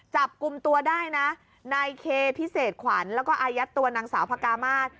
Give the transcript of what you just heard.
จับกลุ่มตัวได้นะนายเคพิเศษขวัญแล้วก็อายัดตัวนางสาวพระกามาศ